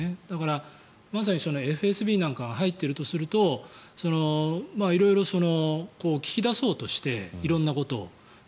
だから、まさにＦＳＢなんかが入っているとすると色々、聞き出そうとして色んなことを。